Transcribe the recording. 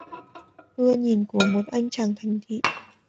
ưa Nhìn của một anh chàng thành thị